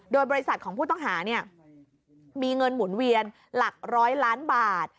โดยบริษัทของผู้ต้องหามีเงินหมุนเวียนหลัก๑๐๐ล้านบาท